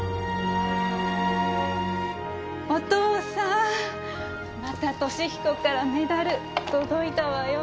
お父さん、また稔彦からメダル届いたわよ。